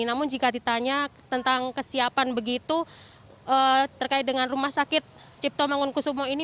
namun jika ditanya tentang kesiapan begitu terkait dengan rumah sakit cipto mangunkusumo ini